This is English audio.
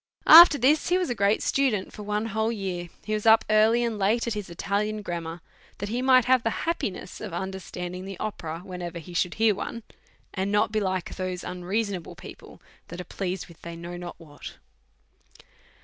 After this, he was a great student for one whole year ; he was up early and late at his Italian grammar, that he might have the happiness of understanding the opera, whenever he should hear one, and not be like those unreasonable people that are pleased with they do not know what.